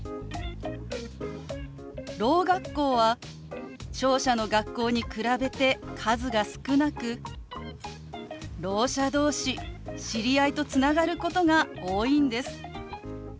ろう学校は聴者の学校に比べて数が少なくろう者同士知り合いとつながることが多いんです。